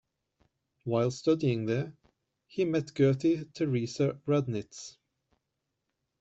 While studying there he met Gerty Theresa Radnitz.